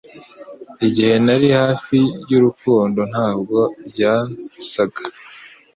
Igihe nari hafi y'urukundo ntabwo byasaga